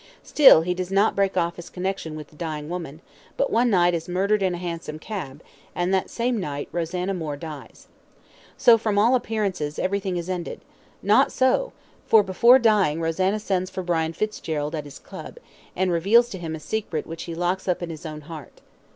Still he does not break off his connection with the dying woman; but one night is murdered in a hansom cab, and that same night Rosanna Moore dies. So, from all appearance, everything is ended; not so, for before dying Rosanna sends for Brian Fitzgerald at his club, and reveals to him a secret which he locks up in his own heart.